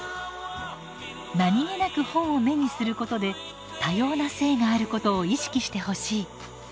何気なく本を目にすることで多様な性があることを意識してほしい。